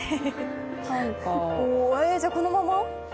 じゃ、このまま？